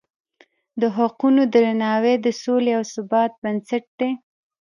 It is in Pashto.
د حقونو درناوی د سولې او ثبات بنسټ دی.